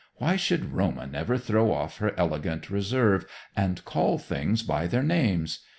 Why could Roma never throw off her elegant reserve and call things by their names?